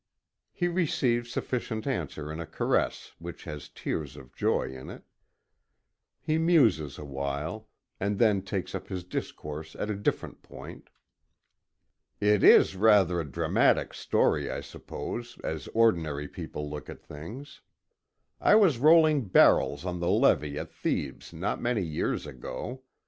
He receives sufficient answer in a caress which has tears of joy in it. He muses a while, and then takes up his discourse at a different point. "It is rather a dramatic story, I suppose, as ordinary people look at things. I was rolling barrels on the levee at Thebes not many years ago.